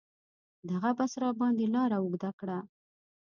دغه بس راباندې لاره اوږده کړه.